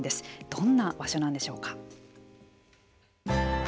どんな場所なんでしょうか。